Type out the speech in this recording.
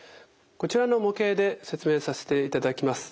こちらの模型で説明させていただきます。